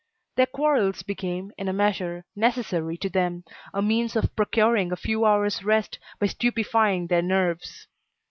Their quarrels became, in a measure, necessary to them a means of procuring a few hours' rest by stupefying their nerves.